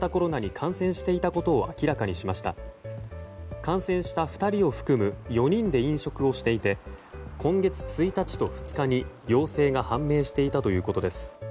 感染した２人を含む４人で飲食をしていて今月１日と２日に陽性が判明していたということです。